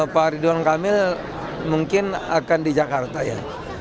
pak ridwan kamil mungkin akan di jakarta ya